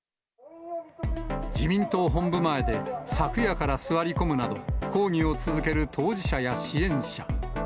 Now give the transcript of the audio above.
自民党本部前で昨夜から座り込むなど、抗議を続ける当事者や支援者。